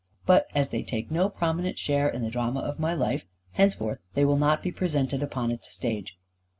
But as they take no prominent share in the drama of my life, henceforth they will not be presented upon its stage.